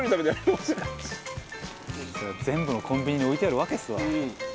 カズレーザー：全部のコンビニに置いてあるわけですわ。